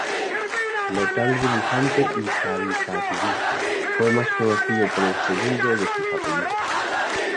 Notable dibujante y caricaturista, fue más conocido por el segundo de sus apellidos.